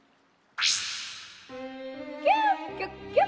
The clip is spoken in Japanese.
「キュキュッキュ！